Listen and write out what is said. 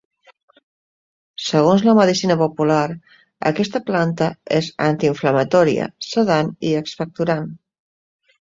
Segons la medicina popular aquesta planta és antiinflamatòria, sedant i expectorant.